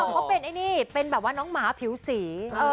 เค้าเป็นอันนี้เค้าน้องหมาผิวศรี